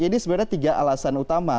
ini sebenarnya tiga alasan utama